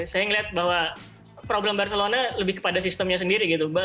saya melihat bahwa problem barcelona lebih kepada sistemnya sendiri gitu